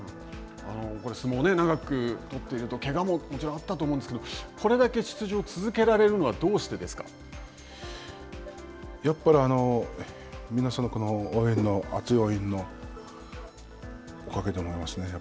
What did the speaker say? これ、相撲を長く取っていると、けがももちろんあったと思うんですけども、これだけ出場を続けられるのはやっぱり皆さんの熱い応援のおかげでもありますね。